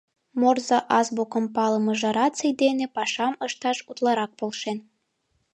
Морзе азбукым палымыже раций дене пашам ышташ утларак полшен.